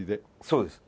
そうです。